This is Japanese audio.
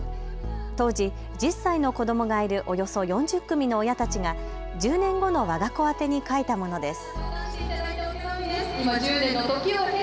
当時、１０歳の子どもがいるおよそ４０組の親たちが１０年後のわが子宛てに書いたものです。